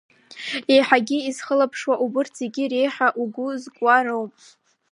Еиҳагьы изхылаԥшу убарҭ зегьы реиҳа угәы зкуа роуп…